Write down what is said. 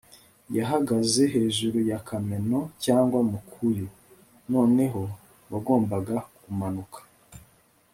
yahagaze hejuru ya kameno cyangwa makuyu. noneho wagombaga kumanuka